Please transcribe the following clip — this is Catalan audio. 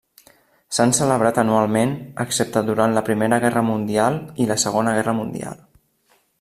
S'han celebrat anualment, excepte durant la Primera Guerra Mundial i la Segona Guerra Mundial.